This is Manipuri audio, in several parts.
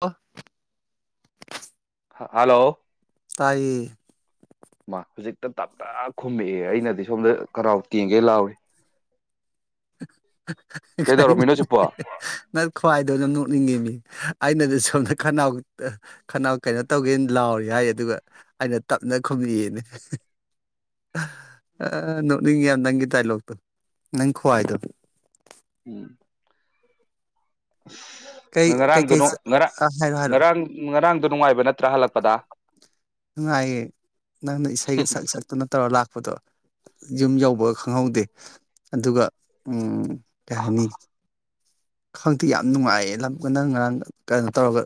ꯑ ꯍꯂꯣ ꯇꯥꯏꯌꯦ ꯍꯧꯖꯤꯛꯇ ꯇꯞꯅ ꯈꯨꯝꯃꯛꯑꯦ ꯑꯩꯅꯗꯤ ꯁꯣꯝꯗ ꯀꯔꯥꯎ ꯇꯦꯡꯒꯦ ꯂꯥꯎꯔꯤ ꯀꯩꯗꯧꯔꯝꯃꯤꯅꯣ ꯍꯧꯖꯤꯛꯄꯣ ꯅꯪ ꯈ꯭ꯋꯥꯏꯗꯧ ꯅ ꯅꯣꯛꯅꯤꯡꯉꯤ ꯃꯤ ꯑꯩꯅꯗꯤ ꯁꯣꯝꯗ ꯈꯅꯥꯎ ꯈꯅꯥꯎ ꯀꯩꯅꯣ ꯇꯧꯒꯦꯅ ꯂꯥꯎꯔꯤ ꯍꯥꯏ ꯑꯗꯨꯒ ꯑꯩꯅ ꯇꯞꯅ ꯈꯨꯝꯕꯤꯑꯦꯅꯤ ꯅꯣꯛꯅꯤꯡꯉ ꯌꯥꯝ ꯅꯪꯒꯤ ꯗꯥꯏꯂꯣꯛꯇꯣ ꯈ꯭ꯋꯥꯏꯗ ꯀꯩ ꯀꯩꯀꯩ ꯉꯔꯥꯡꯗꯨꯅꯣ ꯆ- ꯉꯔꯥꯡ ꯑ ꯍꯥꯏꯔꯣ ꯍꯥꯏꯔꯣ ꯉꯔꯥꯡ ꯉꯔꯥꯡꯗꯨ ꯅꯨꯡꯉꯥꯏꯌꯦ ꯅꯪꯅ ꯏꯁꯩꯒ ꯁꯛ ꯁꯛꯇꯅ ꯇꯧꯔꯒ ꯂꯥꯛꯄ ꯐꯣꯠꯇꯣ ꯌꯨꯝ ꯌꯕ ꯈꯪꯍꯧꯗꯦ ꯑꯗꯨꯒ ꯀꯍꯅꯤ ꯈꯪꯗꯦ ꯌꯥꯝ ꯅꯨꯡꯉꯥꯏꯌꯦ ꯂꯝ ꯅꯪ ꯉꯔꯥꯡ ꯀꯩꯅꯣ ꯇꯧꯔꯒ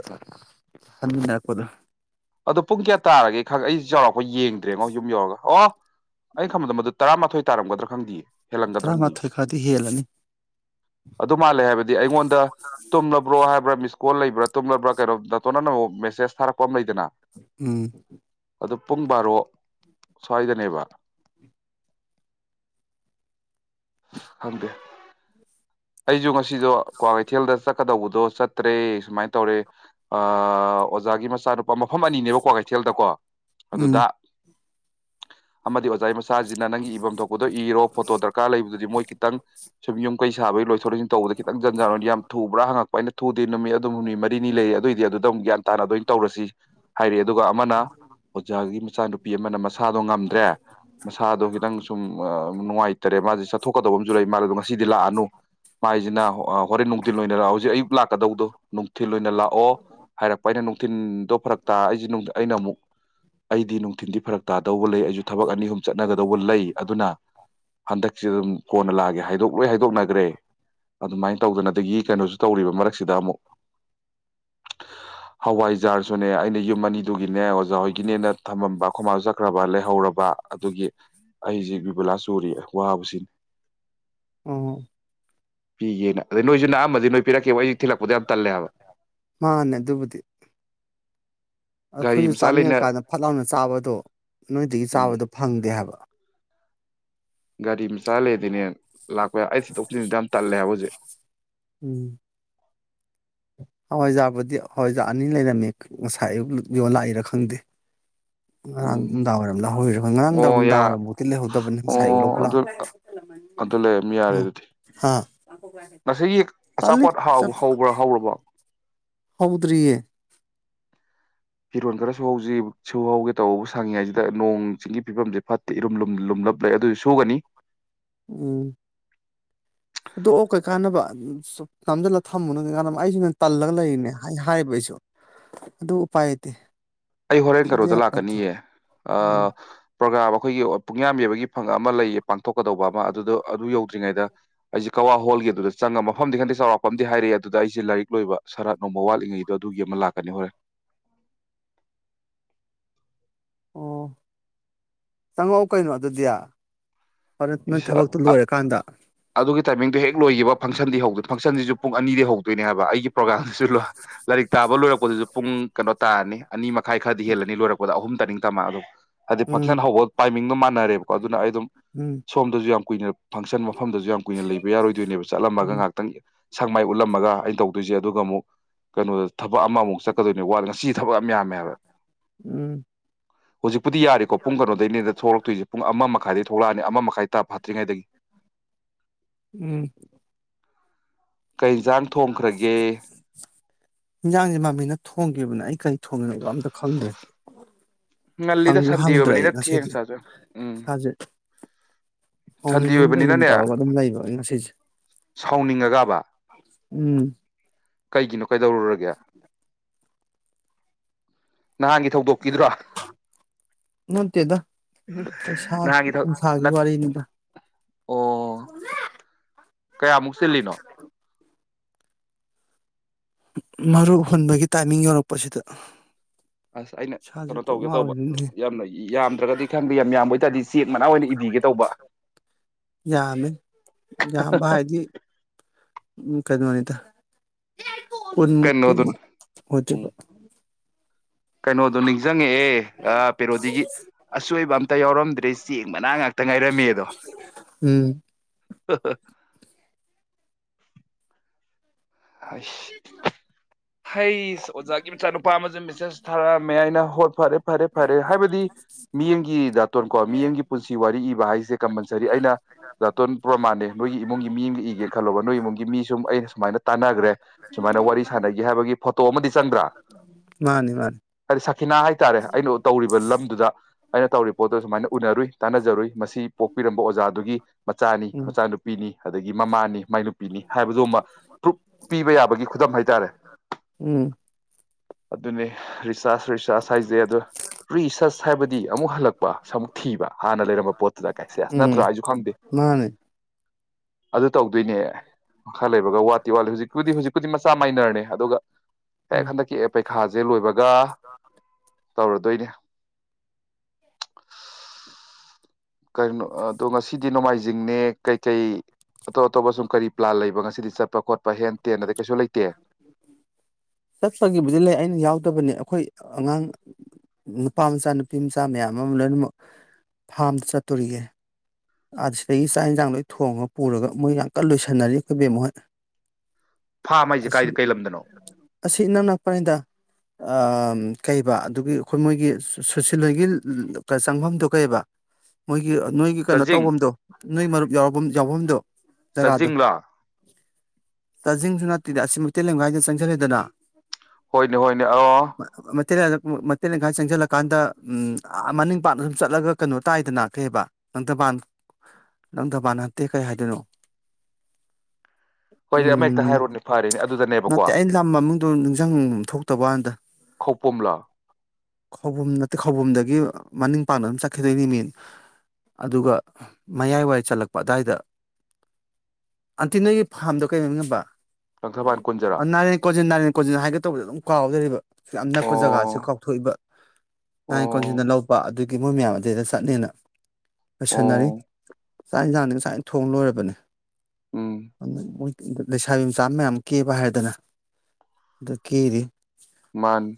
ꯍꯟꯃꯤꯟꯅꯔꯛꯄꯗꯣ ꯑꯗꯣ ꯄꯨꯡ ꯀꯌꯥ ꯇꯥꯔꯒꯦ ꯈꯪ ꯑꯩ ꯆꯥꯎꯔꯛ ꯌꯦꯡꯗ꯭ꯔꯦꯉꯣ ꯌꯨꯝ ꯌꯧꯔꯒ ꯑꯣ ꯑꯩ ꯈꯪꯕꯗ ꯃꯗꯨ ꯇꯔꯥꯃꯥꯊꯣꯏ ꯇꯥꯔꯝꯒꯗ꯭ꯔꯥ ꯈꯪꯗꯌꯦ ꯍꯦꯜꯂꯝꯟꯒꯗ꯭ꯔꯪꯗꯤ ꯇꯔꯥꯃꯥꯊꯣꯏ ꯈꯔꯗꯤ ꯍꯦꯜꯂꯅꯤ ꯑꯗꯨ ꯃꯥꯜꯂꯦ ꯍꯥꯏꯕꯗꯤ ꯑꯩꯉꯣꯟꯗ ꯇꯨꯝꯂꯕ꯭ꯔꯣ ꯍꯥꯏꯕ꯭ꯔꯥ ꯃꯤꯁ ꯀꯣꯜ ꯂꯩꯕ꯭ꯔꯥ ꯇꯨꯝꯂꯕ꯭ꯔꯥ ꯀꯩꯅꯣꯗ ꯇꯣꯟꯅ ꯃꯦꯁꯦꯁ ꯊꯥꯔꯛꯄ ꯑꯃ ꯂꯩꯗꯅ ꯎꯝ ꯑꯗꯨ ꯄꯨꯡ ꯕꯥꯔꯣ ꯁ꯭ꯋꯥꯏꯗꯅꯦꯕ ꯐꯪꯗꯦ ꯑꯩꯁꯨ ꯉꯁꯤꯗꯣ ꯀ꯭ꯋꯥꯀꯩꯊꯦꯜꯗ ꯆꯠꯀꯗꯧꯕꯗꯣ ꯆꯠꯇ꯭ꯔꯦ ꯁꯨꯃꯥꯏꯅ ꯇꯧꯔꯦ ꯑꯣꯖꯥꯒꯤ ꯃꯆꯥꯅꯨꯄꯥ ꯃꯐꯝ ꯑꯅꯤꯅꯦꯕ ꯀ꯭ꯋꯥꯀꯩꯊꯦꯜꯗꯀꯣ ꯎꯝ ꯑꯗꯨꯗ ꯑ ꯃꯥꯗꯤꯁ ꯉꯖꯥꯏ ꯃꯆꯥꯁꯤꯅ ꯅꯪꯒꯤ ꯏꯐꯝ ꯊꯣꯛꯄꯗꯣ ꯏꯔꯣ ꯐꯣꯇꯣ ꯗꯔꯀꯥꯔ ꯂꯩꯕꯗꯨꯗꯤ ꯃꯣꯏ ꯈꯤꯇꯪ ꯁꯨꯝ ꯌꯨꯝ ꯀꯩ ꯊꯕꯩ ꯂꯣꯏ ꯁꯊꯣꯏ ꯏꯁꯤꯡ ꯇꯧꯕꯗ ꯈꯤꯇꯪ ꯖꯔ ꯑꯣꯏꯅ ꯌꯥꯝ ꯊꯨꯕ꯭ꯔꯥ ꯍꯛ ꯑꯩ ꯊꯨ ꯅꯨꯃꯤꯠ ꯑꯗꯨꯝ ꯍꯨꯝꯅꯤ ꯃꯔꯤꯅꯤ ꯂꯩ ꯑꯗꯨꯑꯣꯏꯗꯤ ꯑꯗꯨꯗ ꯑꯃ ꯒ꯭ꯌꯥꯟ ꯇꯥꯅ ꯑꯗꯨꯃꯅ ꯇꯧꯔꯁꯤ ꯍꯥꯏꯔꯛꯑꯦ ꯑꯗꯨꯒ ꯑꯃꯅ ꯑꯣꯖꯥꯒꯤ ꯃꯆꯥꯅꯨꯄꯤ ꯑꯃꯅ ꯃꯁꯥꯗꯣ ꯉꯝꯗ꯭ꯔꯦ ꯃꯁꯥꯗꯣ ꯈꯤꯇꯪ ꯁꯨꯝ ꯑ ꯅꯨꯡꯉꯥꯏꯇꯔꯦ ꯃꯥꯁꯦ ꯆꯠꯊꯣꯛꯀꯗꯧꯕ ꯑꯃꯁꯨ ꯂꯩ ꯃꯥꯜꯂ ꯑꯗꯣ ꯉꯁꯤꯗꯤ ꯂꯥꯛꯑꯅꯨ ꯃꯥꯏꯁꯤꯅ ꯍꯣꯔꯦꯟ ꯅꯨꯡꯊꯤꯜ ꯑꯣꯏꯅ ꯂꯥꯛꯑꯣ ꯍꯧꯖꯤꯛ ꯑꯌꯨꯛ ꯂꯥꯛꯀꯗꯧꯗꯣ ꯅꯨꯡꯊꯤꯜ ꯑꯣꯏꯅ ꯂꯥꯛꯑꯣ ꯍꯥꯏꯔꯛꯄ ꯑꯩꯅ ꯅꯨꯡꯊꯤꯤꯟꯗꯣ ꯐꯔꯛ ꯇꯥ ꯑꯩꯁꯦ ꯑꯩꯅ ꯑꯃꯨꯛ ꯑꯩꯗꯤ ꯅꯨꯡꯊꯤꯟꯗꯤ ꯐꯔꯛ ꯇꯥꯗꯧꯕ ꯂꯩ ꯑꯩꯁꯨ ꯊꯕꯛ ꯑꯅꯤ ꯑꯍꯨꯝ ꯆꯠꯅꯒꯗꯧꯕ ꯂꯩ ꯑꯗꯨꯅ ꯍꯟꯗꯛꯁ ꯑꯗꯨꯝ ꯀꯣꯟꯅ ꯂꯥꯛꯑꯒꯦ ꯍꯥꯏꯗꯣꯛꯂꯣꯏ ꯍꯥꯏꯗꯣꯛꯅꯈ꯭ꯔꯦ ꯑꯗꯨꯃꯥꯏꯅ ꯍꯋꯥꯏ ꯑꯣꯖꯥꯔꯁꯨꯅꯦ ꯑꯩꯅ ꯌꯨꯝ ꯑꯅꯤꯗꯨꯒꯤꯅꯦ ꯑꯣꯖꯥ ꯍꯣꯏꯒꯤꯅꯦꯅ ꯊꯝꯃꯝꯕ ꯈꯃꯥꯡ ꯆꯠꯈ꯭ꯔꯕ ꯂꯩꯍꯧꯔꯕ ꯑꯗꯨꯒꯤ ꯑꯩꯁꯤ ꯕꯤꯕꯨꯂꯥ ꯆꯨꯔꯤ ꯋꯥꯕꯁꯤꯅꯦ ꯎ ꯄꯤꯒꯦꯅ ꯑꯗꯩ ꯅꯣꯏꯁꯨ ꯅꯛꯑꯝꯃꯗꯤ ꯅꯣꯏ ꯄꯤꯔꯛꯀꯦꯕ ꯑꯩꯁꯦ ꯊꯤꯜꯂꯛꯄꯗꯣ ꯌꯥꯝ ꯇꯜꯂꯦ ꯍꯥꯏꯕ ꯃꯥꯅꯦ ꯑꯗꯨꯕꯨꯗꯤ ꯒꯥꯔꯤ ꯑꯩꯈꯣꯏꯁꯨ ꯃꯆꯥ ꯂꯩꯅ ꯆꯥꯅꯤꯡꯉꯀꯥꯟꯗ ꯐꯠ ꯂꯥꯎꯅ ꯆꯥꯕꯗꯣ ꯅꯣꯏꯗꯒꯤ ꯎꯝ ꯆꯥꯕꯗꯣ ꯐꯪꯗꯦ ꯍꯥꯏꯕ ꯒꯥꯔꯤ ꯃꯆꯥ ꯂꯩꯗꯅꯦ ꯂꯥꯛꯄ ꯑꯩ ꯁꯤꯗꯣꯛꯁꯤꯤꯟꯁꯤꯗ ꯌꯥꯝ ꯇꯜꯂꯦ ꯍꯥꯏꯕ ꯍꯧꯖꯤꯛ ꯎꯝ ꯍꯋꯥꯏꯖꯥꯕꯨꯗꯤ ꯍꯋꯥꯏꯖꯥ ꯑꯅꯤ ꯂꯩꯔꯝꯃꯤ ꯉꯁꯥꯏ ꯑꯌꯨꯛ ꯌꯣꯂꯥꯛꯏꯔꯥ ꯈꯪꯗꯦ ꯉꯔꯥꯡ ꯎꯝ ꯅꯨꯡꯗꯥꯡ ꯋꯥꯏꯔꯝ ꯂꯍꯧꯔꯤꯔꯣ ꯍꯣꯏ ꯉꯔꯥꯡꯗꯥ ꯑꯣ ꯌꯥ ꯅꯨꯡꯗꯥꯡꯋꯥꯏꯔꯝꯐꯥꯎꯗꯤꯤ ꯂꯩꯍꯧꯗꯕꯅꯤ ꯉꯁꯥꯏꯌ ꯂꯧꯕ ꯑꯣ ꯑꯗꯨ ꯂꯥꯛꯑꯣ ꯑ ꯍꯥꯥ ꯉꯁꯒꯤ ꯑꯆꯥꯄꯣꯠ ꯍꯧꯕ꯭ꯔꯥ ꯍꯧꯔꯕꯣ ꯍꯧꯥꯎꯗꯔꯤꯌꯦ ꯐꯤꯔꯣꯜ ꯈꯔꯁꯨ ꯍꯧꯖꯤ ꯁꯨ ꯍꯧꯒꯦ ꯇꯧꯍꯧꯕ ꯁꯥꯡꯉꯤꯉꯥꯏꯁꯤꯗ ꯅꯣꯡ ꯆꯤꯡꯒꯤ ꯐꯤꯕꯝꯁꯦ ꯐꯠꯇꯦ ꯏꯔꯨꯝ ꯂꯨꯝ ꯂꯨꯝꯂꯞ ꯂꯩ ꯑꯗꯨꯁꯨ ꯁꯨꯒꯅꯤ ꯎꯝ ꯁꯨꯗꯣꯛꯑꯣ ꯀꯩ ꯀꯥꯟꯅꯕ ꯅꯝꯁꯤꯜꯂꯒ ꯊꯝꯃꯨꯅ ꯀꯩ ꯀꯥꯟꯅꯕ ꯑꯩꯁꯨ ꯅ ꯇꯜꯂꯒ ꯂꯩꯔꯤꯅꯦ ꯍꯥꯏꯔꯤꯕ ꯑꯩꯁꯨ ꯑꯗꯨ ꯎꯄꯥꯏ ꯂꯩꯇꯦ ꯑꯩ ꯍꯣꯔꯦꯟ ꯁꯨꯗ ꯀꯔꯣꯗ ꯌꯥꯄꯣꯟꯇꯦ ꯂꯥꯛꯀꯅꯤꯌꯦ ꯎꯝ ꯄ꯭ꯔꯣꯒ꯭ꯔꯝ ꯑꯩꯈꯣꯏꯒꯤ ꯄꯨꯡꯌꯥꯝ ꯌꯕꯒꯤ ꯐꯪꯉ ꯑꯃ ꯂꯩꯌꯦ ꯄꯥꯡꯊꯣꯛꯀꯗꯧꯕ ꯑꯃ ꯑꯗꯨꯗꯣ ꯑꯗꯨ ꯌꯧꯗ꯭ꯔꯤꯉꯩꯗ ꯑꯩꯁꯦ ꯀꯋꯥ ꯍꯣꯜꯒꯤ ꯑꯗꯨꯗ ꯆꯪꯉꯒ ꯃꯐꯝꯗꯤ ꯈꯪꯇ ꯆꯥꯎꯔꯥꯛꯄ ꯑ ꯑꯃꯗꯤ ꯍꯥꯏꯔꯛꯑꯦ ꯑꯗꯨꯗ ꯑꯩꯁꯦ ꯂꯥꯏꯔꯤꯛ ꯂꯣꯏꯕ ꯁꯔꯥꯠ ꯅꯣꯃ ꯋꯥꯠꯂꯤꯉꯩꯗꯣ ꯑꯗꯨꯒꯤ ꯑꯃ ꯂꯥꯛꯀꯅꯤ ꯍꯣꯔꯦ ꯑꯣ ꯆꯪꯉꯛꯑꯣ ꯀꯩꯅꯣ ꯑꯗꯨꯗꯤ ꯅꯣꯏ ꯏꯁ ꯊꯕꯛꯇꯨ ꯑ ꯑ ꯂꯣꯏꯔꯀꯥꯟꯗ ꯑꯗꯨꯒꯤ ꯇꯥꯏꯃꯤꯡꯗꯣ ꯍꯦꯛ ꯂꯣꯏꯈꯤꯕ ꯐꯪꯁꯟꯗꯤ ꯍꯧꯗꯣꯏꯣ ꯐꯪꯁꯟꯁꯤꯁꯨ ꯄꯨꯡ ꯑꯅꯤꯗꯤ ꯍꯧꯗꯣꯏꯅꯦ ꯍꯥꯏꯕ ꯑꯩꯒꯤ ꯄ꯭ꯔꯣꯒꯥꯝꯁꯦ ꯂꯥꯏꯔꯤꯛ ꯇꯥꯕ ꯂꯣꯏꯔꯛꯄ ꯄꯨꯡ ꯀꯩꯅꯣ ꯇꯥꯔꯅꯤ ꯑꯅꯤꯃꯛ ꯈꯥꯏ ꯈꯔꯗꯤ ꯍꯦꯜꯂꯅꯤ ꯂꯣꯏꯔꯛꯗ ꯑꯍꯨꯝ ꯇꯅꯤ ꯇꯃ ꯑꯗꯨꯣ ꯑꯗꯨꯗꯤ ꯎꯝ ꯐꯪꯁꯟ ꯍꯣ ꯄ ꯃꯤꯣ ꯃꯥꯟꯅꯔꯦꯕꯀꯣ ꯑꯗꯨꯅ ꯎꯝ ꯁꯣꯝꯗꯁꯨ ꯌꯥꯝ ꯀꯨꯏꯅ ꯐꯪꯁꯟ ꯃꯐꯝꯗꯁꯨ ꯌꯥꯝ ꯀꯨꯏꯅ ꯂꯩꯕ ꯌꯥꯔꯣꯏꯗꯣꯏꯅꯦꯕ ꯆꯠꯂꯝꯃꯒ ꯎꯝ ꯉꯥꯏꯥꯛꯇꯪ ꯁꯪꯃꯥꯏ ꯎꯠꯂꯝꯃꯒ ꯑꯩꯅ ꯇꯧꯗꯣꯏꯁꯦ ꯑꯗꯨꯒ ꯑꯃꯨꯛ ꯀꯩꯅꯣꯗ ꯊꯕꯛ ꯑꯃꯃꯨꯛ ꯆꯠꯀꯗꯣꯏꯅꯤ ꯋꯥꯗ ꯉꯁꯤ ꯊꯕꯛ ꯌꯥꯝ ꯌꯥꯝꯃꯦ ꯍꯥꯏꯕ ꯎꯝ ꯍꯧꯖꯤꯛꯄꯨꯗꯤ ꯌꯥꯔꯤꯀꯣ ꯄꯨꯡ ꯀꯩꯅꯣꯗꯒꯤꯩꯅꯤꯗ ꯊꯣꯛꯂꯛꯇꯣꯏꯁꯦ ꯄꯨꯡ ꯑꯃ ꯃꯈꯥꯏꯗꯩ ꯊꯣꯛꯂꯛꯑꯅꯤ ꯑꯃꯥꯏ ꯇ ꯐꯇ꯭ꯔꯤ ꯉꯥꯏꯗꯗꯒꯤ ꯎꯝ ꯀꯩꯟꯁꯥꯡ ꯊꯣꯡꯈ꯭ꯔꯒꯦ ꯍꯟꯁꯥꯡꯁꯦ ꯃꯃꯤꯅ ꯊꯣꯡꯈꯤꯕꯅ ꯑꯩ ꯀꯔꯤ ꯊꯣꯡꯒꯅꯕ ꯑꯝꯇ ꯈꯪꯗꯦ ꯉꯜꯂꯤꯗ ꯁꯟꯗꯤꯤ ꯑꯣꯏꯕꯅꯤꯅ ꯊꯦꯡ ꯁꯥꯥꯁꯨ ꯎꯝ ꯍ ꯁꯟꯗꯦ ꯂꯣ ꯀꯩꯒꯨꯝ ꯑꯣꯏꯕꯅꯤꯅꯅꯦ ꯇꯧꯔꯒ ꯑꯗꯨꯝ ꯂꯩꯕ ꯉꯁꯤꯁꯦ ꯁꯥꯎꯅꯤꯡꯉꯒꯕ ꯎꯝ ꯀꯩꯒꯤꯅꯣ ꯀꯩꯗꯧꯔꯨꯔꯒꯦ ꯅꯍꯥꯟꯒꯤ ꯊꯧꯗꯣꯛꯀꯤꯗ꯭ꯔꯣ ꯅꯠꯇꯦꯗ ꯄꯩꯁꯥ ꯅꯍꯥꯟꯒꯤ ꯅꯨꯡꯁꯥꯒꯤ ꯋꯥꯔꯤꯅꯤꯗ ꯑꯣ ꯀꯌꯥꯃꯨꯛ ꯆꯜꯂꯤꯅꯣ ꯃꯔꯨ ꯍꯨꯟꯕꯒꯤ ꯇꯥꯏꯃꯤꯡ ꯌꯧꯔꯛꯄꯁꯤꯗ ꯑꯁ ꯑꯩꯅ ꯏꯁꯥꯁꯦ ꯀꯩꯅꯣ ꯀꯣꯛ ꯇꯧꯒꯦ ꯇꯧꯕ ꯉꯥꯎꯔꯤꯅꯤꯅꯦ ꯌꯥꯝꯅ ꯌꯥꯝꯗ꯭ꯔꯒꯗꯤ ꯈꯪꯗꯦ ꯌꯥꯝ ꯌꯥꯝꯕ ꯑꯣꯏ ꯇꯥꯔꯗꯤ ꯆꯦꯛ ꯃꯅꯥ ꯑꯣꯏꯅ ꯏꯕꯤꯒꯦ ꯇꯧꯕ ꯌꯥꯝꯃꯦ ꯎꯝ ꯀꯔꯤ ꯃꯥꯅꯤꯗ ꯎꯟꯃꯨꯀꯤ ꯀꯩꯅꯣꯗꯨ ꯍꯧ ꯎꯝ ꯀꯩꯅꯣꯗꯣ ꯅꯤꯡꯁꯤꯡꯉꯛꯑꯦ ꯄꯦꯔꯣꯗꯤꯒꯤ ꯑꯁꯣꯏꯕ ꯑꯝꯇ ꯌꯥꯎꯔꯝꯗ꯭ꯔꯦ ꯆꯦꯡ ꯃꯅꯥ ꯉꯇ ꯉꯥꯏꯔꯝꯃꯦ ꯑꯗꯣ [inaudible] ꯎꯝ ꯑꯁ ꯍꯩꯁ ꯑꯣꯖꯥꯒꯤ ꯃꯆꯥꯅꯨꯄꯥ ꯑꯃꯁꯨꯡ ꯃꯤꯁꯦꯁ ꯊꯥꯔꯃꯦꯌꯥꯏꯅ ꯍꯣꯏ ꯐꯔꯦ ꯐꯔꯦ ꯐꯔꯦ ꯍꯥꯏꯕꯗꯤ ꯃꯤꯌꯦꯡꯒꯤ ꯗꯥꯇꯣꯟ ꯀꯣ ꯃꯤꯠꯌꯦꯡꯒꯤ ꯄꯨꯟꯁꯤ ꯋꯥꯔꯤ ꯏꯕ ꯍꯥꯏꯁꯦ ꯀꯝꯄꯜꯁꯔꯤ ꯑꯩꯅ ꯗꯥꯇꯣꯟ ꯄ꯭ꯔꯃꯥꯟꯅꯦ ꯅꯣꯏꯒꯤ ꯏꯃꯨꯡꯒꯤ ꯃꯤ ꯑꯃꯒ ꯏꯒꯦꯅ ꯈꯜꯂꯣꯕ ꯅꯣꯏ ꯏꯃꯨꯡꯒꯤ ꯃꯤ ꯁꯨꯝ ꯑꯩꯅ ꯃꯥꯏꯅ ꯇꯥꯟꯅꯈ꯭ꯔꯦ ꯁꯨꯃꯥꯏꯅ ꯋꯥꯔꯤ ꯁꯥꯟꯅꯒꯦ ꯍꯥꯏꯕꯒꯤ ꯄꯣꯠ ꯇꯣ ꯑꯃꯗꯤ ꯆꯪꯗ꯭ꯔꯥ ꯃꯥꯅꯤ ꯃꯥꯅꯤ ꯁꯈꯤꯅꯥ ꯍꯥꯏꯇꯥꯔꯦ ꯑꯩꯅ ꯇꯧꯔꯤꯕ ꯂꯝꯗꯨꯗ ꯑꯩꯅ ꯇꯧꯔꯤꯕ ꯄꯣꯠꯇꯨ ꯁꯨꯃꯥꯏꯅ ꯎꯅꯔꯨꯏ ꯇꯥꯟꯅꯖꯔꯨꯏ ꯃꯁꯤ ꯄꯣꯛꯄꯤꯔꯝꯕ ꯑꯣꯖꯥꯗꯨꯒꯤ ꯃꯆꯥꯅꯤ ꯎꯝ ꯃꯆꯥꯅꯨꯄꯤꯅꯤ ꯑꯗꯨꯒꯤ ꯃꯃꯥꯅꯤ ꯃꯥꯍꯨꯝꯅꯤ ꯍꯥꯏꯕꯗꯨꯃ ꯄ꯭ꯔꯨꯞ ꯄꯤꯕ ꯌꯥꯕꯒꯤ ꯈꯨꯗꯝ ꯍꯥꯏꯇꯥꯔꯦ ꯎꯝ ꯑꯗꯨꯅꯦ ꯔꯤꯁꯥꯔꯁ ꯍꯥꯏꯁꯦ ꯑ ꯔꯤꯆꯥꯔꯁ ꯍꯥꯏꯕꯗꯤ ꯑꯃꯨꯛ ꯍꯜꯂꯛꯄ ꯑꯃꯨꯛ ꯊꯤꯕ ꯍꯥꯟꯅ ꯂꯩꯔꯝꯕ ꯄꯣꯠꯇꯨꯗ ꯀꯥꯏꯁꯦ ꯎꯝ ꯅꯠꯇ꯭ꯔꯣ ꯑꯩꯁꯨ ꯈꯪꯗꯦ ꯃꯥꯅꯦ ꯑꯗꯨ ꯇꯧꯗꯣꯏꯅꯦ ꯃꯈꯥ ꯂꯩꯕ ꯇꯤꯋꯥꯜ ꯍꯧꯖꯤꯛꯄꯨꯗꯤ ꯍꯧꯖꯤꯛꯄꯨꯗꯤ ꯃꯆꯥ ꯃꯥꯏꯅꯔꯅꯦ ꯑꯗꯨꯒ ꯎꯝ ꯍꯦꯛ ꯍꯟꯗꯛꯀꯤ ꯍꯦꯛ ꯄꯩꯈꯥꯁꯦ ꯂꯣꯏꯕꯒ ꯇꯧꯔꯗꯣꯏꯅꯦ ꯀꯔꯤꯅꯣ ꯑꯗꯣ ꯉꯁꯤꯗꯤ ꯅꯣꯡꯃꯥꯏꯖ ꯤꯡꯅꯦ ꯀꯩꯀꯩ ꯑꯇꯣꯞ ꯑꯇꯣꯞꯄ ꯁꯨꯝ ꯀꯔꯤ ꯄ꯭ꯂꯥꯟ ꯂꯩꯕ ꯉꯁꯤꯗꯤ ꯆꯠꯄ ꯈꯣꯠꯄ ꯍꯦꯟ ꯇꯦꯟꯗꯗꯤ ꯀꯩꯁꯨ ꯂꯩꯇꯦ ꯆꯠꯄꯒꯤꯕꯨꯗꯤ ꯂꯩ ꯑꯩꯅ ꯌꯥꯎꯗꯕꯅꯦ ꯑꯩꯈꯣꯏ ꯑꯉꯥꯡ ꯅꯨꯄꯥ ꯃꯆꯥ ꯅꯨꯄꯤ ꯃꯆꯥ ꯃꯌꯥꯝ ꯑꯃ ꯂꯣꯏꯅꯃꯛ ꯐꯥꯔꯝꯗ ꯆꯠꯇꯣꯔꯤꯑꯦ ꯑꯣ ꯁꯤꯗꯒꯤ ꯆꯥꯛ ꯌꯦꯟꯁꯥꯡ ꯂꯣꯏ ꯊꯣꯡꯉꯒ ꯄꯨꯔꯒ ꯃꯣꯏ ꯌꯥꯝ ꯀꯟꯅ ꯂꯣꯏꯁꯟꯅꯔꯤ ꯑꯩꯈꯣꯏ ꯕꯦꯝꯃ ꯍꯣꯏ ꯐꯥꯝ ꯍꯥꯏꯁꯦ ꯑꯁꯤ ꯀꯥꯏ ꯀꯩ ꯂꯝꯗꯅꯣ ꯑꯁꯤ ꯏꯅꯛ ꯅꯛꯄꯅꯤꯗ ꯑ ꯀꯩꯕ ꯑꯗꯨꯒꯤ ꯑꯩꯈꯣꯏ ꯃꯣꯏꯒꯤ ꯁꯨꯁꯤꯜꯍꯣꯏꯒꯤ ꯆꯪꯐꯝꯗꯨ ꯀꯩꯕ ꯃꯣꯏꯒꯤ ꯅꯣꯏꯒꯤ ꯀꯩꯅꯣ ꯆꯥꯖꯤꯡ ꯇꯧꯐꯝꯗꯣ ꯅꯣꯏ ꯃꯔꯨꯞ ꯌꯥꯎ ꯌꯥꯎꯐꯝꯗꯣ ꯖꯒꯥꯗꯣ ꯆꯥꯖꯤꯡꯂꯣ ꯆꯥꯖꯤꯡꯁꯨ ꯅꯠꯇꯦꯗ ꯑꯁꯤꯃꯛ ꯅꯠꯇꯦ ꯅꯪ ꯍꯥꯏꯗꯨ ꯆꯪꯁꯤꯜꯂꯦꯗ ꯅꯪ ꯍꯣꯏꯅꯦ ꯍꯣꯏꯅꯦ ꯑ ꯦꯜ ꯃꯇꯦꯜ ꯂꯩꯈꯥꯏ ꯆꯪꯁꯤꯜꯂꯀꯥꯟꯗ ꯎ ꯃꯅꯤꯡ ꯄꯥꯅ ꯁꯨꯝ ꯆꯠꯂꯒ ꯀꯩꯅꯣ ꯇꯥꯏꯗꯅ ꯀꯩꯕ ꯅꯪꯊꯕꯥꯟ ꯅꯪꯗꯕꯥꯅꯍꯟꯠꯇꯦ ꯀꯩ ꯍꯥꯏꯗꯣꯏꯅꯣ ꯍꯣꯏꯅꯦ ꯑꯃ ꯍꯦꯛꯇ ꯎꯝ ꯍꯥꯏꯔꯣꯅꯦ ꯐꯔꯦꯅꯦ ꯑꯗꯨꯗꯅꯦꯕꯀꯣ ꯅꯠꯇꯦ ꯑꯩꯅ ꯂꯝ ꯃꯃꯤꯡꯗꯣ ꯅꯤꯡꯖꯪꯉꯦ ꯊꯣꯛꯇꯕ ꯋꯥꯅꯤꯗ ꯈꯧꯄꯨꯝꯂꯥ ꯈꯧꯄꯨꯝ ꯅꯠꯇꯦ ꯈꯧꯄꯨꯝꯗꯒꯤ ꯃꯅꯤꯡ ꯄꯥꯡꯅ ꯑꯗꯨꯝ ꯆꯠꯈꯤꯗꯣꯏꯅꯤ ꯃꯤ ꯑꯗꯨꯒ ꯃꯌꯥꯏ ꯋꯥꯏ ꯆꯜꯂꯛꯄ ꯑꯗꯨꯋꯥꯏꯗ ꯑꯟꯇꯤ ꯅꯣꯏꯒꯤ ꯐꯥꯝꯗꯣ ꯀꯩꯅꯣꯃꯤꯉꯕ ꯂꯪꯊꯕꯥꯜ ꯀꯨꯟꯖꯔꯥ ꯅꯔꯤꯜ ꯀꯣꯟꯖꯤꯜ ꯀꯣꯖꯤꯟ ꯍꯥꯏꯒ ꯇꯧꯕꯗ ꯑꯗꯨꯝ ꯀꯥꯎꯗ ꯂꯩꯕ ꯌꯥꯝ ꯅꯛꯄ ꯖꯒꯥꯁꯤ ꯑꯣ ꯀꯥꯎꯊꯣꯛꯏꯕ ꯉꯥꯏꯀꯣꯟꯁꯤꯟꯗ ꯑꯣ ꯂꯧꯕ ꯑꯗꯨ ꯒꯤ ꯃꯣꯏ ꯃꯌꯥꯝ ꯑꯗꯩꯗ ꯆꯠꯅꯦꯅ ꯂꯣꯏꯁꯟꯅꯔꯤ ꯑꯣ ꯆꯥꯛ ꯌꯦꯟꯖꯥꯡꯅꯤ ꯉꯁꯥꯏꯅ ꯊꯣꯡ ꯂꯣꯏꯔꯕꯅꯦ ꯎꯝ ꯑꯣꯏ ꯂꯩꯁꯥꯕꯤ ꯃꯆꯥ ꯃꯌꯥꯝ ꯀꯦꯕ ꯍꯥꯏꯗꯅ ꯑꯗꯨ ꯀꯦꯔꯤ ꯃꯥꯅꯤ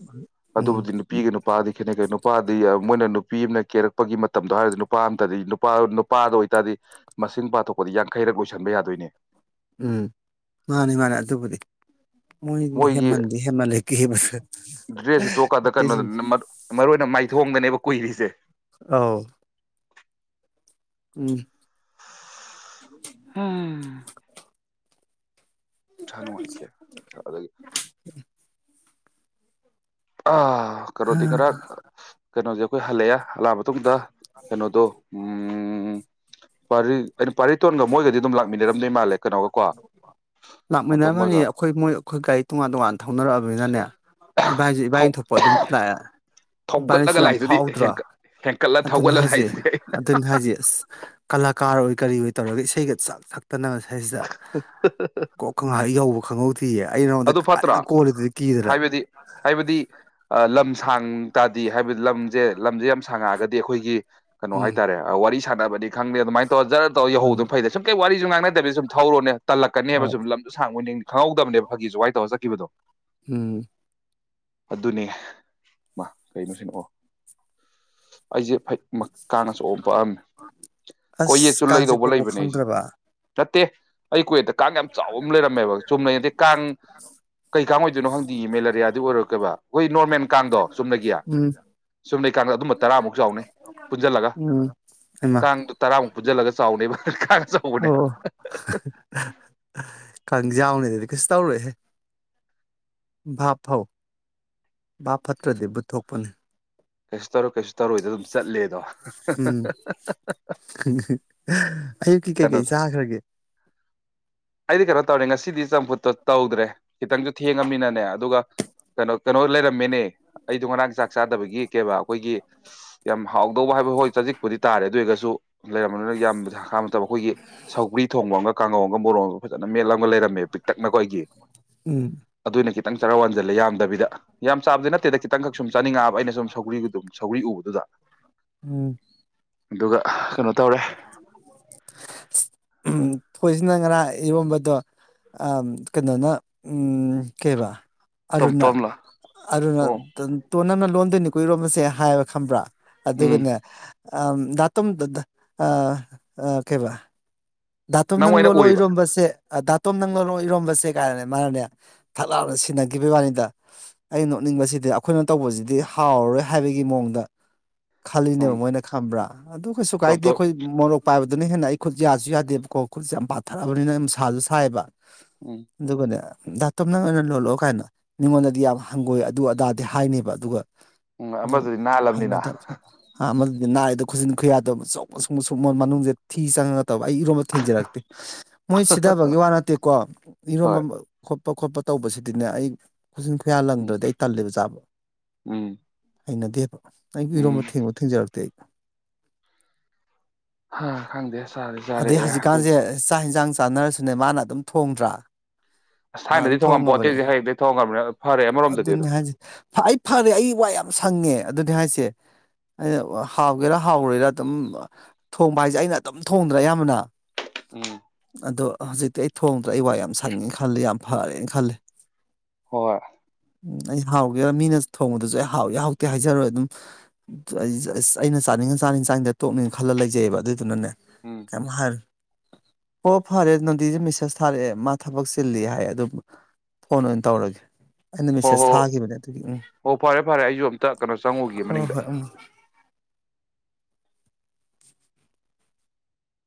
ꯎꯝ ꯑꯗꯨꯕꯨꯗꯤ ꯅꯨꯄꯤꯒ ꯅꯨꯄꯥꯗꯤ ꯈꯦꯠꯅꯩ ꯀꯩꯅ ꯅꯨ ꯅꯨꯄꯥꯗꯤ ꯃꯣꯏꯅ ꯅꯨꯄꯤ ꯑꯃꯅ ꯀꯦꯔꯛꯄꯒꯤ ꯃꯇꯝꯗꯣ ꯍꯥꯏꯔꯗꯤ ꯅꯨꯄꯥ ꯑꯝꯇꯗꯤ ꯅꯨꯄꯥ ꯅꯨꯄꯥꯗ ꯑꯣꯏꯇꯥꯔꯗꯤ ꯃꯁꯤꯡ ꯄꯥꯊꯣꯛꯄꯗꯤ ꯌꯥꯡꯈꯩꯔꯛ ꯂꯣꯏꯁꯤꯟꯕ ꯌꯥꯗꯣꯏꯅꯦ ꯎꯝ ꯃꯥꯅꯦ ꯃꯥꯅꯦ ꯑꯗꯨꯕꯨꯗꯤ ꯃꯣꯏꯗꯤ ꯃꯣꯏꯒꯤ ꯍꯦꯃꯟꯗꯤ ꯍꯦꯃꯜꯂꯦ ꯀꯦꯕꯁꯦ ꯗ꯭ꯔꯦꯁꯁꯤ ꯇꯣꯛꯀꯥꯟꯗ ꯀꯩꯅꯣꯗ ꯅꯨꯄꯤꯁꯤꯡꯁꯦ ꯃꯔꯨ ꯑꯣꯏꯅ ꯃꯥꯏꯊꯣꯡꯒꯅꯦꯕ ꯀꯨꯏꯔꯤꯁꯦ ꯑꯧ ꯎꯝ ꯍꯝ ꯏꯁ ꯅꯨꯡꯉꯥꯏꯇꯦ ꯑꯗꯒꯤ ꯑꯥ ꯈꯔꯣꯗꯤ ꯈꯔ ꯀꯩꯅꯣꯁꯦꯈꯣꯏ ꯍꯂꯑꯦ ꯍꯜꯂꯛꯑ ꯃꯇꯨꯡꯗ ꯀꯩꯅꯣꯗꯣ ꯎꯝ ꯄꯔꯤ ꯀꯩꯅꯣꯒ ꯀꯣ ꯅꯥꯇꯣꯝ ꯂꯥꯛꯃꯤꯟꯅꯔ ꯐꯅꯤ ꯍꯣꯏꯒ ꯑꯩꯈꯣꯏ ꯃꯣꯏ ꯑꯩꯈꯣꯏ ꯒꯥꯔꯤ ꯇꯣꯉꯥꯟ ꯇꯣꯉꯥꯟꯅ ꯊꯧꯅꯔꯛꯑꯕꯅꯤꯅꯅꯦ ꯁꯤꯚꯥꯏꯁꯦ ꯊꯧ ꯏꯕꯥꯥꯏꯅ ꯊꯣꯛꯄ ꯑꯗꯨꯝ ꯂꯥꯛꯑꯦ ꯏꯕꯥꯅꯤꯁꯨ ꯊꯧꯒꯠꯂꯒ ꯌꯥꯝ ꯂꯥꯛꯏꯗꯨꯗꯤ ꯐꯥꯎꯗ꯭ꯔꯣ ꯍꯦꯟꯀꯠ ꯍꯦꯟꯀꯠꯂ ꯑꯗꯨꯅ ꯊꯧꯒꯠꯂ ꯍꯥꯏꯁ ꯂꯥꯛꯏꯗꯨꯗꯤ ꯑꯩꯅ ꯑꯗꯨꯅ ꯍꯥꯏꯁ ꯑꯁ ꯀꯂꯥꯀꯥꯔ ꯑꯣꯏ ꯀꯔꯤ ꯑꯣꯏ ꯇꯧꯔꯒ ꯏꯁꯩꯒ ꯆꯥꯛ ꯊꯛ ꯇꯅꯁꯥꯏꯁꯤꯗ ꯀꯣꯛꯍꯥꯛ ꯌꯧꯕ ꯈꯪꯍꯧ ꯊꯤꯌꯦ ꯑꯩ ꯅꯉꯣꯟꯗ ꯑꯗꯨ ꯐꯠꯇ꯭ꯔꯣ ꯀꯟꯅ ꯀꯣꯜꯂꯤꯗꯨꯗꯤ ꯀꯤꯗꯅ ꯍꯥꯏꯕꯗꯤ ꯍꯥꯏꯕꯗꯤ ꯑ ꯂꯝ ꯁꯥꯡ ꯇꯥꯗꯦ ꯍꯥꯏꯕꯗꯤ ꯂꯝꯁꯦ ꯂꯝꯁꯦ ꯌꯥꯝ ꯁꯥꯡꯉꯛꯑꯒꯗꯤ ꯑꯩꯈꯣꯏꯒꯤ ꯀꯩꯅꯣ ꯎꯝ ꯍꯥꯏꯇꯥꯔꯦ ꯋꯥꯔꯤ ꯁꯥꯟꯅꯕꯅꯤ ꯈꯪꯗꯦ ꯑꯗꯨꯃꯥꯏꯅ ꯇꯧ ꯖꯔ ꯇꯔ ꯎꯝ ꯌꯍꯧꯗꯅ ꯐꯩꯗ ꯁꯨꯝ ꯀꯩ ꯋꯥꯔꯤꯁꯨ ꯉꯥꯡꯅꯗꯕꯤꯦ ꯁꯨꯝ ꯊꯧꯔꯣꯅꯦ ꯇꯜꯂꯛꯀꯅꯦ ꯍꯥꯏꯕ ꯍꯣꯏ ꯁꯨꯝ ꯂꯝꯁꯨ ꯁꯥꯡꯕ ꯈꯪꯍꯧꯗꯕꯅꯦꯕ ꯐꯥꯒꯤꯁꯨ ꯀꯥꯏ ꯇꯧ ꯆꯠꯈꯤꯕꯗꯣ ꯎꯝ ꯑꯗꯨꯅꯦ ꯃꯥ ꯀꯩꯅꯣ ꯁꯤꯅꯑꯣ ꯑꯩꯁꯦ ꯐꯩ ꯀꯥꯅꯁꯨꯣꯛꯑꯝ ꯄꯛꯑꯝꯃꯦ ꯀꯣꯏ ꯌꯦꯠ ꯑꯁ ꯀꯥꯡ ꯆꯨꯂꯗꯧꯕ ꯆꯤꯛꯄꯕꯨ ꯂꯩꯕꯅꯦ ꯑꯩꯁꯦ ꯈꯪꯗ꯭ꯔꯕ ꯅꯠꯇꯦ ꯑꯩ ꯀꯣꯏꯌꯦꯠꯇ ꯀꯥꯡ ꯌꯥꯝ ꯆꯥꯎꯕ ꯑꯃ ꯂꯩꯔꯝꯃꯦꯕ ꯆꯨꯝꯅꯩ ꯑꯗꯩ ꯀꯥꯡ ꯀꯩ ꯀꯥꯡ ꯑꯣꯏꯗꯣꯏꯅꯣ ꯍꯪꯗꯤ ꯃꯦꯂꯦꯔꯤꯌꯥꯗꯨ ꯑꯣꯏꯔꯛꯀꯦꯕ ꯑꯩꯈꯣꯏ ꯅꯣꯔꯃꯦꯜ ꯀꯥꯡꯗꯣ ꯆꯨꯝꯅꯒꯤꯌꯥ ꯎꯝ ꯆꯨꯝꯅꯩꯀꯗ ꯑꯗꯨꯝꯕ ꯇꯔꯥꯃꯨꯛ ꯆꯥꯎꯅ ꯄꯨꯟꯁꯤꯜꯂꯒ ꯎꯝ ꯍꯩꯃꯥ ꯀꯥꯡꯗꯣ ꯇꯔꯥꯃꯨꯛ ꯄꯨꯟꯖꯜꯂꯒ ꯆꯥꯎꯅꯦꯕ ꯀꯥꯡꯅ ꯑꯆꯧꯕꯅꯦ ꯀꯥꯡ ꯌꯥꯎꯅꯤꯗꯗꯤ ꯀꯩꯁꯨ ꯇꯧꯔꯣꯏꯍꯦ ꯚꯥꯞꯄꯧ ꯕꯥꯞ ꯐꯠꯇ꯭ꯔꯗꯤ ꯕꯨꯠ ꯊꯣꯛꯣꯛꯄꯅꯤ ꯑꯁ ꯇꯔꯨꯛ ꯀꯩꯁꯨ ꯇꯔꯣꯏꯗ ꯑꯗꯨꯝ ꯆꯠꯂꯦꯗꯣ ꯎꯝ ꯑꯌꯨꯛꯀꯤ ꯀꯩꯀꯩ ꯀꯩꯅꯣꯗ ꯆꯥꯈ꯭ꯔꯒꯦ ꯑꯩꯗꯤ ꯀꯩꯅꯣ ꯇꯧꯔꯦ ꯉꯁꯤꯗꯤ ꯆꯝꯐꯨꯠꯇꯣ ꯇꯧꯗ꯭ꯔꯦ ꯈꯤꯇꯪꯁꯨ ꯊꯦꯡꯉꯃꯤꯅꯅꯦ ꯑꯗꯨꯒ ꯀꯩꯅꯣ ꯀꯩꯅꯣ ꯂꯩꯔꯝꯃꯦꯅꯦ ꯑꯩꯗꯣ ꯉꯔꯥꯡ ꯆꯥꯛ ꯆꯥꯗꯕꯒꯤ ꯀꯩꯕꯥ ꯑꯩꯈꯣꯏꯒꯤ ꯌꯥꯝ ꯍꯥꯎꯗꯧꯕ ꯍꯥꯏꯕ ꯍꯣꯏ ꯆꯖꯤꯛꯄꯨꯗꯤ ꯇꯥꯔꯦ ꯑꯗꯨ ꯑꯣꯏꯔꯒꯁꯨ ꯂꯩꯔꯝꯝꯕꯅꯤꯅ ꯌꯥꯝꯕ ꯃꯇꯝꯕ ꯑꯩꯈꯣꯏꯒꯤ ꯁꯒ꯭ꯔꯤ ꯊꯣꯡꯕ ꯑꯃꯒ ꯀꯥꯡꯉꯧ ꯑꯃꯒ ꯃꯣꯔꯣꯡ ꯑꯃ ꯐꯖꯅ ꯃꯦꯦꯜꯂꯝꯒ ꯂꯩꯔꯝꯃꯦꯕ ꯄꯤꯛꯇꯛꯅꯈꯣꯏꯒꯤ ꯎꯝ ꯈꯤꯇꯪ ꯆꯔꯥ ꯋꯥꯟꯁꯤꯜꯂꯦ ꯌꯥꯝꯗꯕꯤꯗ ꯌꯥꯝ ꯆꯥꯕꯗꯤꯩ ꯅꯠꯇꯦꯗ ꯈꯤꯇꯪꯈꯛ ꯁꯨꯝ ꯆꯥꯅꯤꯡꯉꯛꯑꯕ ꯑꯩꯅ ꯁꯨꯝ ꯁꯧꯒ꯭ꯔꯤꯒꯤ ꯑꯗꯨꯝ ꯁꯧꯒ꯭ꯔꯤ ꯎꯕꯗꯨꯗ ꯎꯝ ꯑꯗꯨꯒ ꯀꯩꯅꯣ ꯇꯧꯔꯦ ꯎꯝ ꯊꯣꯏꯁꯤꯅ ꯉꯔꯥ ꯏꯔꯣꯟꯝꯕꯗꯣ ꯀꯩꯅꯣꯅ ꯀꯩꯕ ꯇꯣꯝ ꯑꯔꯨꯅꯥ ꯇꯣꯝꯂꯣ ꯑꯔꯨꯅꯥ ꯑꯣ ꯇꯣꯅꯥꯅ ꯂꯣꯟ ꯑꯗꯨꯅꯤ ꯀꯨꯏꯔꯣꯝ ꯑꯁꯦ ꯍꯥꯏꯕ ꯈꯪꯕ꯭ꯔꯥ ꯎꯝ ꯑꯗꯨꯒꯅꯦ ꯑ ꯗ ꯝ ꯀꯩꯕ ꯙꯥꯇꯨꯝ ꯅꯪ ꯑꯣꯏꯅ ꯂꯣꯜꯂꯣ ꯎꯔꯤꯕ ꯏꯔꯣꯝꯕꯁꯦ ꯗꯥꯇꯣꯝ ꯅꯪ ꯂꯧꯔꯣ ꯏꯔꯣꯝꯕꯁꯦ ꯀꯥꯏꯅꯅꯦ ꯃꯥꯅꯅꯦ ꯊꯛꯂꯥꯞꯅ ꯁꯤꯟꯅꯈꯤꯕꯒꯤ ꯋꯥꯅꯤꯗ ꯑꯩꯅ ꯅꯣꯛꯅꯤꯡꯕꯁꯤꯗꯤ ꯑꯩꯈꯣꯏꯅ ꯇꯧꯕꯁꯤꯗꯤ ꯍꯥꯎꯔꯔꯣꯏ ꯍꯥꯏꯕꯒꯤ ꯃꯑꯣꯡꯗ ꯎꯝ ꯈꯜꯂꯤꯅꯦꯕ ꯃꯣꯏꯅ ꯈꯝꯕ꯭ꯔꯥ ꯑꯗꯨ ꯀꯩꯁꯨ ꯇꯣꯝ ꯀꯥꯏꯗꯦ ꯇꯣꯝ ꯑꯩꯈꯣꯏ ꯃꯣꯔꯣꯛ ꯄꯥꯏꯕꯗ ꯑꯗꯨꯅ ꯍꯦ ꯑꯩꯈꯠꯁꯨ ꯗꯦꯞ ꯀꯣꯀꯨꯠꯁꯦ ꯌꯥꯝ ꯄꯥꯊꯔꯛꯑꯕꯅꯤꯅ ꯃꯁꯥꯁꯨ ꯁꯥꯏꯑꯕ ꯎꯝ ꯗꯨꯀꯅꯦ ꯗꯥꯛꯇꯞ ꯅꯪ ꯑꯣꯏꯅ ꯂꯣꯜꯂꯛꯑꯣ ꯀꯥꯏꯅ ꯃꯤꯉꯣꯟꯗꯗꯤ ꯌꯥꯝ ꯍꯪꯒꯣꯏ ꯑꯗꯨ ꯑꯗꯥꯗꯤ ꯍꯥꯏꯅꯦꯕ ꯑꯗꯨꯒ ꯎꯝ ꯑꯗꯨ ꯑꯃꯁꯨꯗꯤ ꯅꯥꯍꯜꯂꯕꯅꯤꯅ ꯅꯥꯏꯗ ꯈꯨꯁꯤꯟ ꯈꯨꯌꯥꯗꯕ ꯑꯧ ꯁꯨꯡꯃ ꯁꯨꯡꯃ ꯃꯅꯨꯡꯁꯦ ꯊꯤ ꯆꯪꯉꯒ ꯇꯕ ꯑꯩ ꯊꯦꯡꯖꯔꯛꯇꯦ ꯃꯣꯏ ꯁꯤꯊꯕꯒꯤ ꯋꯥ ꯅꯠꯇꯦꯀꯣ ꯏꯔꯣꯝꯕ ꯍꯣꯏ ꯆꯣꯠꯄ ꯈꯣꯠꯄ ꯇꯧꯕꯁꯤꯗꯤꯅꯦ ꯑꯩ ꯈꯨꯆꯟ ꯈꯨꯌꯥ ꯎꯝ ꯂꯪꯗ꯭ꯔꯗꯤ ꯑꯩ ꯇꯜꯂꯦꯕ ꯆꯥꯕ ꯎꯝ ꯑꯩꯅ ꯗꯦꯕ ꯑꯩꯒꯤ ꯎꯝ ꯏꯔꯣꯝꯕ ꯊꯦꯡꯕ ꯊꯦꯡꯖꯔꯛꯇꯦ ꯑꯩ ꯍ ꯈꯪꯗꯦꯦ ꯑꯗꯩ ꯍꯧꯖꯤꯛꯀꯥꯟꯁꯦ ꯆꯥꯛ ꯏꯟꯖꯥꯡ ꯆꯥꯟꯅꯔꯁꯨꯅꯦ ꯃꯥꯅ ꯑꯗꯨꯝ ꯊꯣꯡꯗ꯭ꯔꯥ ꯑꯁ ꯑ ꯊꯥꯏꯅꯗꯤ ꯊꯣꯡꯉꯝꯄꯣꯠꯇꯦ ꯊꯣꯡꯉꯕꯅꯦ ꯍꯧꯖꯤꯛ ꯍꯌꯦꯡꯗꯩ ꯊꯣꯡꯉꯕꯅꯤꯅ ꯐꯔꯦ ꯑꯃꯔꯣꯝꯗꯗꯤ ꯑꯗꯣ ꯑꯗꯨꯅꯤ ꯍꯥꯏꯁ ꯑꯩ ꯐꯔꯦ ꯑꯩ ꯋꯥ ꯌꯥꯝ ꯁꯪꯉꯦ ꯑꯗꯨꯅꯤ ꯍꯥꯏꯁꯦ ꯑꯩꯅ ꯍꯥꯎꯒꯦꯔ ꯍꯥꯎꯔꯣꯏꯔꯥ ꯑꯗꯨꯝ ꯊꯣꯡꯕ ꯍꯥꯏꯁꯦ ꯑꯩꯅ ꯑꯗꯨꯝ ꯊꯣꯡꯗ꯭ꯔꯥ ꯑꯌꯥꯝꯕꯅ ꯎꯝ ꯑꯗꯣ ꯍꯧꯖꯤꯛꯇꯤ ꯑꯩ ꯊꯣꯡꯗ꯭ꯔꯥ ꯑꯩ ꯋꯥ ꯌꯥꯝ ꯁꯪꯉꯦꯅ ꯈꯜꯂꯤ ꯌꯥꯝ ꯐꯔꯦꯅ ꯈꯜꯂꯤ ꯍꯣꯏ ꯎꯝ ꯑꯩ ꯍꯥꯎꯒꯦ ꯃꯤꯅ ꯊꯣꯡꯕꯗꯨꯁꯨ ꯑꯩ ꯍꯥꯎ ꯌꯥ ꯍꯥꯎꯇꯦ ꯍꯥꯏꯖꯔꯣꯏ ꯑꯗꯨꯝ ꯑꯩ ꯑꯁ ꯑꯩꯅ ꯆꯥꯅꯤꯡꯉ ꯆꯥꯅꯤꯡ ꯆꯥꯡꯅꯤꯡꯗ ꯇꯣꯛꯅꯤꯡ ꯈꯜꯂ ꯂꯩꯖꯩꯑꯕ ꯑꯗꯨꯏꯗꯨꯅꯅꯦ ꯎꯝ ꯀꯝꯍꯜ ꯑꯣ ꯐꯔꯦ ꯅꯟꯗꯤꯁꯦ ꯃꯦꯁꯦꯁ ꯊꯥꯔꯛꯑꯦ ꯃꯥ ꯊꯕꯛ ꯆꯤꯜꯂꯤ ꯍꯥꯏ ꯑꯗꯨꯝ ꯐꯣꯟ ꯑꯣꯏꯅ ꯇꯧꯔꯒꯦ ꯑꯩꯅ ꯍꯣ ꯃꯦꯁꯦꯁ ꯍꯣ ꯊꯥꯈꯤꯕꯅꯦ ꯑꯗꯨꯒꯤ ꯎꯝ ꯍꯣ ꯐꯔꯦ ꯐꯔꯦ ꯑꯩꯁꯨ ꯑꯝꯇ ꯀꯩꯅꯣ ꯆꯪꯉꯨꯒꯤ ꯍꯣꯏ ꯃꯅꯤꯡꯗ ꯍꯣꯏ ꯎꯝ